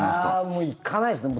もう行かないですね